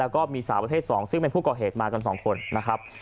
ก็มีสาวประเภท๒ซึ่งเป็นผู้ก่อเหตุมากัน๒คนนะครับ